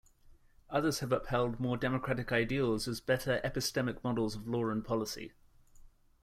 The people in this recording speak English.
Others have upheld more democratic ideals as better epistemic models of law and policy.